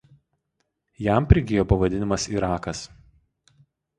Jam prigijo pavadinimas Irakas.